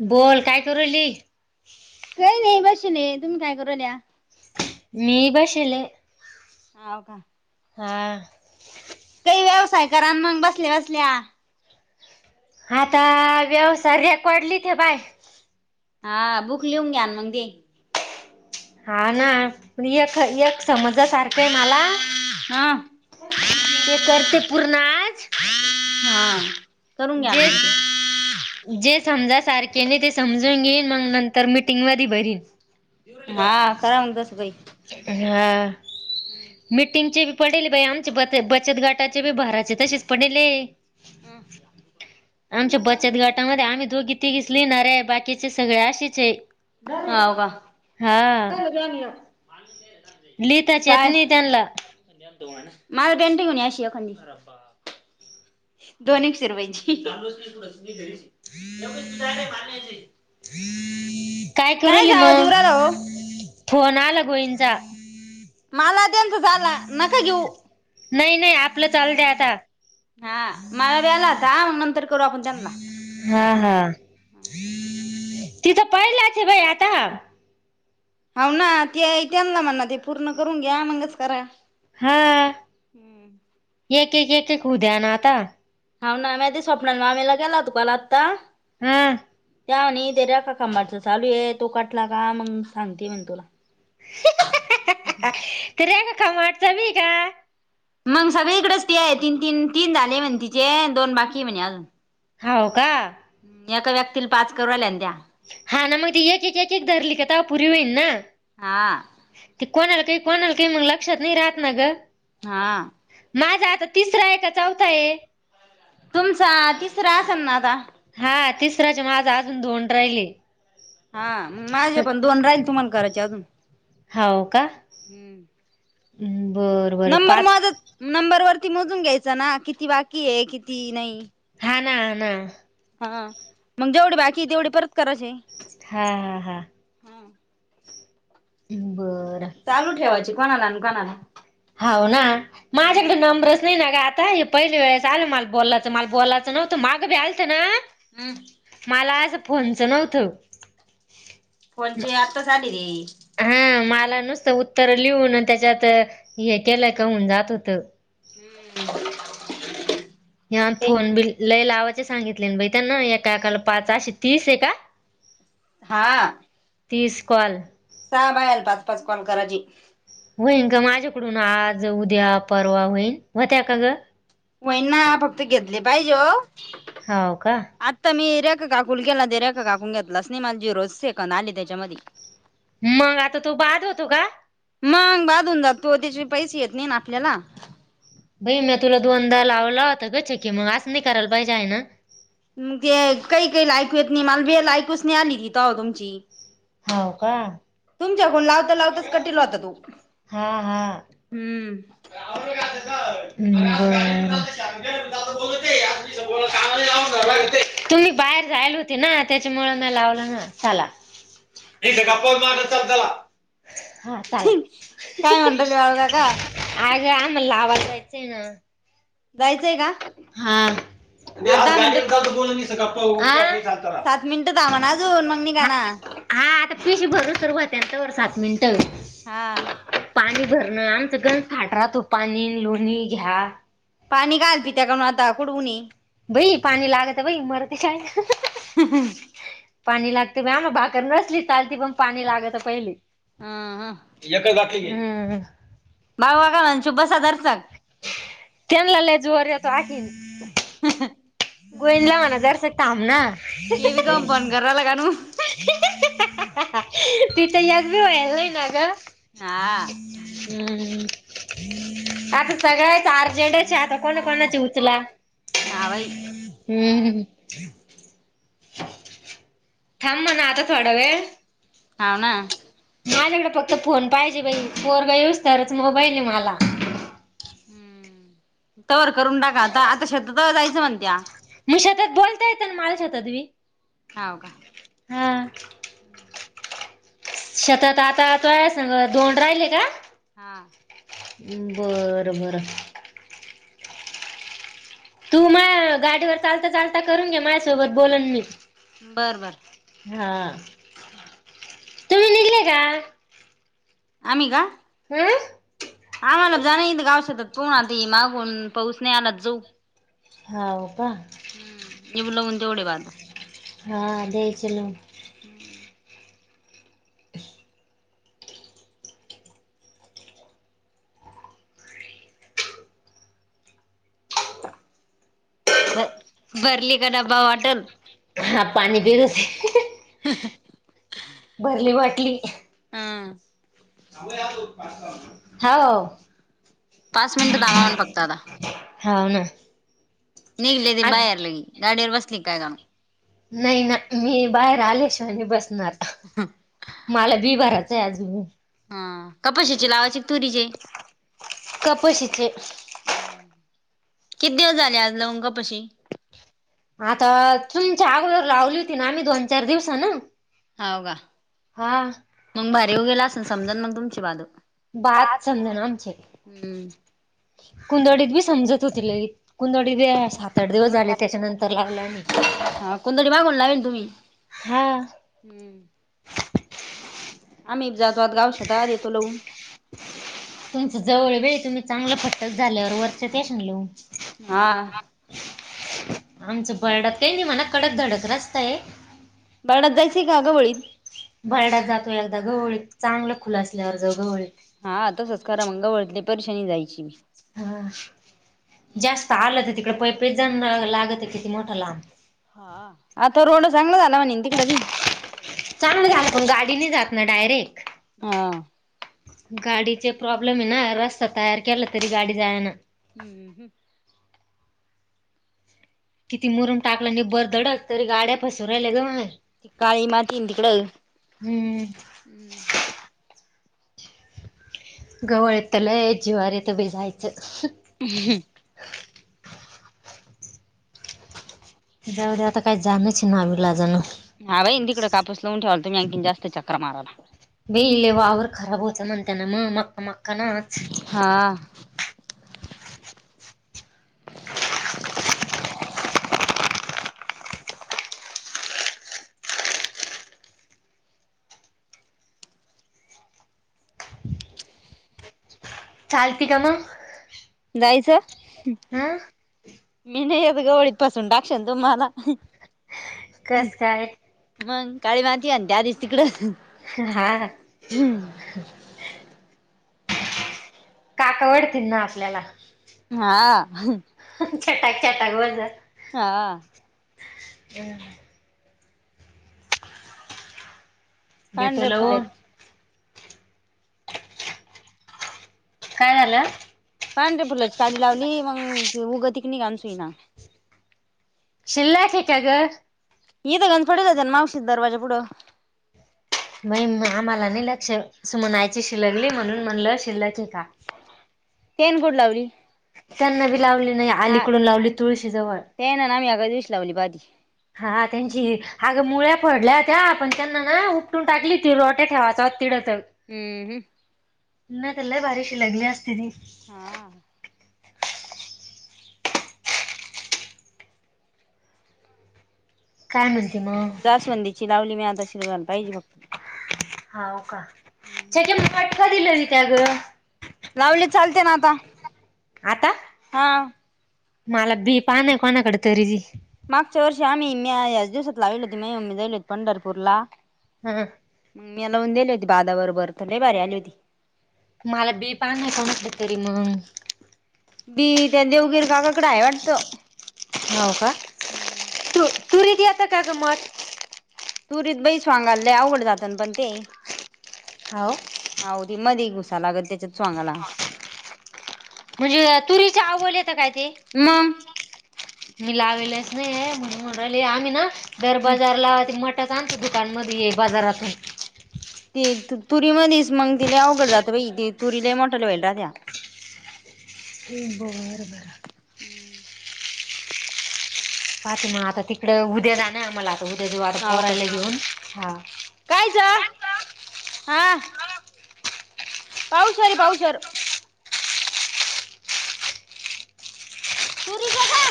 बोल काय करू राहिली का नाही तुम्ही काय कर या मेबशेल हव का हां काही व्यवसाय कण मग बसल्या बसल्या आता व्यवसाय रेकॉडलीते बाय हा बुक लिहून घ्या मग ते हा ना प य य समज सारखंय मला हा. ते करते पूर्ण आज हा करून घ्या जे मग ते. जे समज सारखे नाही ते समजून घेईन मग नंतर मीटिंग म भरीन हा खरा म्ह दस काई हा मिीटिंगचे पडेल बाई आमचे ब बचत गाटाचे ब भाराचे तसेच पडेले आमच्या बचत घाटामध्ये आम्ही दोघी त घसली ने बाकीचे सगळे पाशीचे व काणी लिता तनी त्यांला मझ पनट होणी अशी अखंडी दोन शिरवाईची काय करली आवाज येऊ मग राहिला ओ? ोन आला होंज मला अतंत झाला नका घेऊ नाही नाही आपलं चालू दे आता हा मला व्यालाता नंतर करू आपण त्यांला हा हा तिथं पहिलाच बाई आता होा ना ते आणला म्हणणा ते पूर्ण करून घ्या मगच करा हा एक एक एक एककु द्या ना आता हा ना मा ती स्वप्न मामेला गेला होतो काला आत्ता हा त्यानी ते र का काांबाडचं चालू ये तो काटला का मग सांगते म्हण तुला हम्म त र्या का खमाटचा बी का मग सगळीकडेच ते आहे तीन तीन तीन झाले म्हणे तिचे दोन बाकी म्हणे अजून होा हो का एका व्यक्तीला पाच करवाल्यान द्या हा ना मग ती एक एक एक एक धरली कातापरी होईन ना. हा कोणाला काही कोणाला काही मग लक्षात नाही राहत ना गं. हा. माझा आता तिसरा आहे का चौथा आहे? तुमचा तिसरा असल ना. आता हा तिसरा मा आझ अजून दोन राहिले. हा माझे पण दोन राहील तुम्हाला करायचे अजून. हो का? बर बर नंबर पाच माझ नंबर वरती मोजून घ्याय ह ना ना. हा मग जेवढी बाकी तेवढी परत करायचे. हा हा हा. हा. ह ब. चालू ठेवायची कोणाला कोणाला? हो ना हम्म माझ्याकडे नंबरच नाही ना का आता पहिली वेळेस आल मला बोलाचं मला बोलायचं नव्हतं माग ब आलत ना हम्म. मला असं फोनच नव्हतं. फोन चे आताच आली रे. हा मला नुसतं उत्तर लिहून त्याच्यात हे केलं का होन जात होतं. हम्म. ह फोन बि लई लाव सांगितले ब त्यां ना एकाकाला पाच अे तीस आहे का? हा. तीस कॉल. सहा बायल पाच पाच कॉल कराची. होईन ग माझ्याकडून आज, उद्या, परवा होईन होत्या का ग? होई ना फक्त घेतले पाहिजे ओ हाव का आता मी काकूल केेला दर रेखा काकून घेतला स् निमाल जी रोज सेकन आली त्याच्यामध्ये मग आता तू बाद होतो का? मग बाधून जात तो त्याचे पैसे येत नाही ना आपल्याला बई म तुला दोनदा मग ते काही काही लायकू येत नाही मालभी ऐकूच नाही आली तिथ तुमची हाव का? तुमच्याकून लावता लावताच कटि होता तू हा हा. ह [inaudible] मी बाहेर जायल होती ना त्याच्यामुळें नाही लावलं ना चला. न स कप मार चदला [inaudible] हा चला. काय म्हणता बाळू काका [inaudible] आग आमला ला आवाजायचं आहे ना. जायचंय का? हा. आज गाडीवर हा दहा मिनिटात जात [inaudible] आ. सात मिनिटं थामा नाजऊन मग निघा ना. पशी भरसर भातंत वर सात मिनट हा. पाणी घरण आम सगळ फाट रा तो पाणी लोणी घ्या. पाणी घाल त त्या काडून आता कुडुणी भई पाणी लागत भाई मरती काय? हम. पाणी लागते आम भाकर नसली चालती पण पाणी लागत पहिली. हा ह. हं हं. बाऊ वाघा म्ह शु बसा रतग केन ला लजरेतो आखी ह गोईंद ला म्हणा जरसतम ना ब ब ते बी काम फोन करायला कानू. तिथ यग वला ना ग हा आता सगळ्याच अर्जंटचे आता कोणा कोणाचे उचला ना बाई.. हम्.... थांब म्हणा आता थोडा वेळ. हव ना... माझ्याकडे फक्त फोन पाहिजे बाई पोरग येऊस तरच मोबाईल आहे मला. हम्म तवर करून टाका आता आता शेतात जायचं म्हणत्या- मी शेतात बोलता येत ना मला शेतात बि- हव का... हां... हम्म... शेतात आता आताय सांग दोन राहिले का? हा... बरं बरं... तू ना गाडीवर चालता चालता करून घे माझ्या सोबत बोलन मी- बर बर... हा तुम्ही निघले का? आम्ही का? [unintelligible] आम्हाला जाण आहे गाव शेतात पण आता ती मागून पाऊस नाही आलात जाऊ. हो का.. मी बोली लावून तेवढे बघ हा द्यायचे लाऊन हम्म. [unintelligible] बर भरली का डबा बॉटल. हा पाणी पी तस [unintelligible] भरली बाटली हां... हा ओ... पाच मिनट थांबा म्हणून फक्त आता- हव ना.. निघली ती आज बाहेर लगे गाडीवर बसली काय दाण नाही ना मी बाहेर आले श्वानी बसणार मला बिबाराच- काय आजुन- हा कपाशीची लावायची का तुरीची- कपाशी तले... किती दिवस झाले आज लाऊन कपाशी- आता तुमच्या अगोदर लावली होती ना आम्ही दोन चार दिवसा नं- हो का मग भारी ऊगला असल समजा मग तुमची बाजू बात समजणार आमचे- हम्म कुंदडीत बी समजत होती लग कुंदडीत बी सात आठ दिवस झाले त्याच्या नंतर लावलं म हा कुंदडी मागून लावील- हा.... आम्ही जातो आत गावशध आ येतो लघून तुमच जवळ वेळ तुम्ही चांगलं फट्टक झाल्यावर वरचे तेशगले हा आमच्या बर्डात काही नाही म्हणा कडक धडक रस्तय- काढत जायची काग वळीत- भरडात जातो एकदा गवळी चांगलं खुलं असल्यावर जव गवळी- परर्शानी जायची हा जास्त आलंत तिकडे पैपे जण लागत किती मोठं लहब नवी चांगलं झालं पण गाडीने जात ना डायरेक्ट हा गाडीचे प्रॉब्लेम आहे ना रस्ता तयार केला तरी गाडी जाय ना हम्म हम् किती मुरम टाकलं आणि बरधडक तरी गाड्या पसर राहिल्या ग त काळी मातीन तिकडं् हम्म गवळ येत तलय जीवारी येत बी जायचं हम् त्यावढ्या आता काही जाणच ना आम्हीला जाण हा बाईन तिकडे कापूस लावून ठेवाल तुम्ही आणखीन जास्त चक्र मारा बेले वावर खराब होत म्हणताना मग मका मक्का नाच हा. चाल्फिक म यच मी नाही येत गवळीत पासून टाकशन तुम्हाला कस काय गाडी मातीी आणि त्या दिस तिकडे हा काकवडतील ना आपल्याला हा छटाक छटाक बजर हा ह देतो हडे लवून फढच काय झालं पांढरे पुुलाची काडी लावली मग उगं तिक निघालचई ना शिल्ल ठे का ग इद गंत पडला जन मावशी दरवाजा पुढं मई आम्हाला नाही लक्ष म्हणायची शिलगली म्हणून म्हणलं शिलके का ह तेन गोड लावली त्यांना बी लावली नाही हा आलीकडून लावली तुळशी जवळ त्यान ना आम्ही एका दिवशी लावली बाजी हा त्यांची अगं मुळ्या फडल्या होत्या पण त्यांना ना उपटून टाकली ती रोट्या ठेवायच हम्म ना ल्याला बारिश लगली असथची हा काय म्हणते मग दासवंदीची लावली मी आता शिर पाहिजे फक्त होा का त्याच्या म आटक दिलं र त्या ग लावली चालते ना आता आता हा मला बी पा नाही कोणाकडे तरीी मागच्या वर्षी आम्ही म दिवसात लावल होती ममी जाली होती पंढरपूरला हा मग म्या लावून दिली होती बादा बरोबर तर ल बारी आली होती मला बी पा नाही कोणकडेतरी म बी त्या देवगेर काकाकडं आहे वाटतं हो का हम्म तू तूरीती आता काय गमत तुरीत बईस वांगालले आवघड जातन पण ते हाव आह ते मध्ये उुसालागत त्याच्यात चोांगाला म्हणजे तुरीच्या आवल येत काय ते? मग मी लावलेच नाही म्हणून म्हणू राहिले, आम्ही ना दर बाजार ला ते मट आमच्या दुकानमध्ये ये बाजारातून ते तुरी मधिच मग तिला अवघड जात बई तुरी ल ई मोठल्या होईल राहत्या. हो बर बर पाहत मग आता तिकडे उद्या जा नाही आम्हाला आता उद्या जव आ तापोरायला घेऊन हा कायचं हा पाउशेर हे पाउशेर तुरी च का?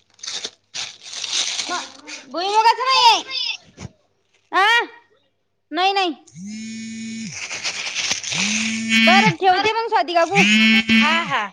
[inaudible] म भुईमुगच नाहीय अं नही नाही बरं ठेवते मंग स्वाति काकू हा हा.